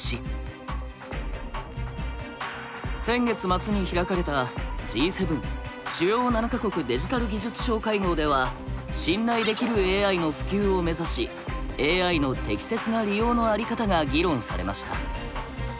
先月末に開かれたＧ７主要７か国デジタル技術相会合では「信頼できるＡＩ」の普及を目指しＡＩの適切な利用の在り方が議論されました。